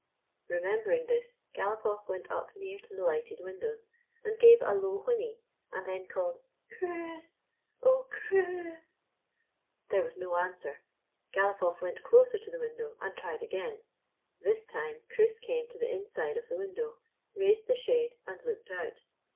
Bemembering this, Galopoff went up near to the lighted windows, and gave a low whinny, and then called " Chris, oh, Chris !" There was no answer. Galopoff went closer to the window and tried again. This time 209 GYPSY, THE TALKING DOG Chris came to the inside of the window, raised the shade and looked out.